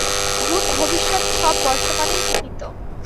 ভূত, ভবিষ্যৎ সব বর্তমানেই নিহিত।